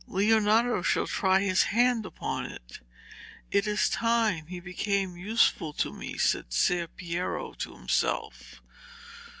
'Leonardo shall try his hand upon it. It is time he became useful to me,' said Ser Piero to himself.